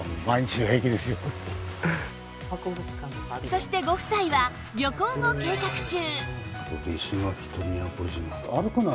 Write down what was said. そしてご夫妻は旅行も計画中